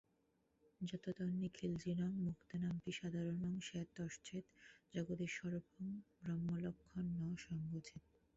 যদ্যেতন্নিখিলজগন্নিয়মনং মুক্তানামপি সাধারণং স্যাৎ ততশ্চেদং জগদীশ্বরত্বরূপং ব্রহ্মলক্ষণং ন সঙ্গচ্ছতে।